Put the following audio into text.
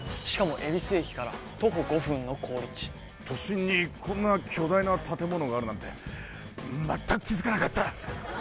しかも恵比寿駅から徒歩５分の好立地都心にこんな巨大な建物があるなんて全く気づかなかった！